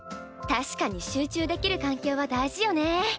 確かに集中できる環境は大事よね。